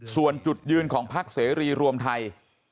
ส่วนจุดยืนของพักเสรีรวมไทย